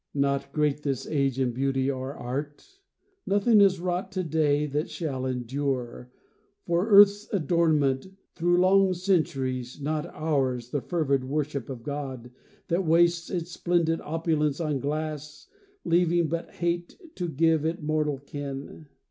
Not great this age in beauty or in art; Nothing is wrought to day that shall endure, For earth's adornment, through long centuries Not ours the fervid worship of a God That wastes its splendid opulence on glass, Leaving but hate, to give it mortal kin.